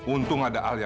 untung ada alia